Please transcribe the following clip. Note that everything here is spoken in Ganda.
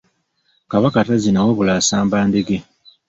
Kabaka tazina wabula asamba ndege.